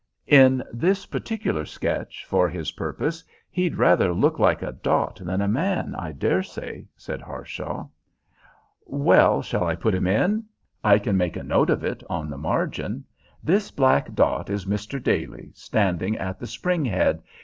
"In this particular sketch, for his purpose, he'd rather look like a dot than a man, I dare say," said Harshaw. "Well, shall I put him in? I can make a note of it on the margin: 'This black dot is Mr. Daly, standing at the spring head.